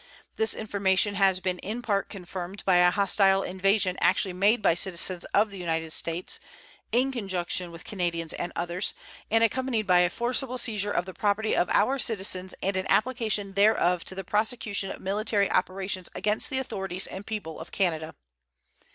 This information has been in part confirmed by a hostile invasion actually made by citizens of the United States, in conjunction with Canadians and others, and accompanied by a forcible seizure of the property of our citizens and an application thereof to the prosecution of military operations against the authorities and people of Canada.